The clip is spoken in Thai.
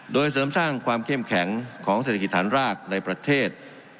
โดยเสริมสร้างความเข้มแข็งของเศรษฐกิจฐานรากในประเทศ